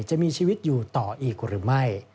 จะมีชีวิตอยู่ต่ออีกหรือไม่